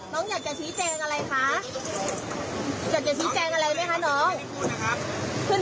น้องอยากจะชี้แจงอะไรคะอยากจะชี้แจงอะไรไหมคะน้องขึ้น